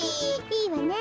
いいわね。